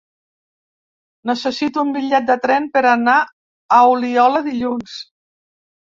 Necessito un bitllet de tren per anar a Oliola dilluns.